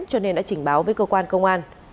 cho nên đã trình báo với cơ quan công an